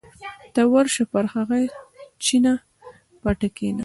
ته ورشه پر هغه چینه پټه کېنه.